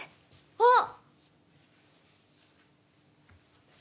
あっ！